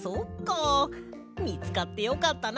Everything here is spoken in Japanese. みつかってよかったな！